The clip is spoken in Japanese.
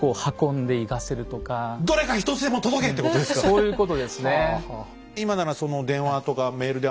そういうことですね。